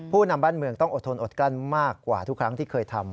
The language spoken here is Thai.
นำบ้านเมืองต้องอดทนอดกลั้นมากกว่าทุกครั้งที่เคยทำ